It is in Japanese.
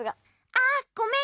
あっごめん。